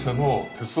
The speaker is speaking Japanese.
鉄道？